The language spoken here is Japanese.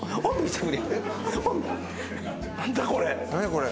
これ。